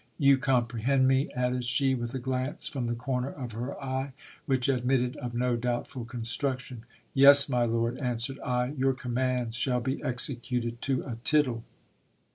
You com prehend me ! added she, with a glance from the corner of her eye, which admitted of no doubtful construction. Yes, my lord, answered I, your commands shall be executed to a tittle.